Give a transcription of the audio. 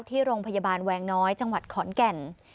ที่โรงพยาบาลแวงน้อยจังหวัดขอนแก่น